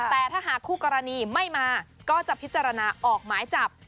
แต่ถ้าหากคู่กรณีไม่มาก็จะพิจารณาออกหมายจับ